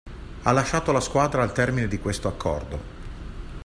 Ha lasciato la squadra al termine di questo accordo.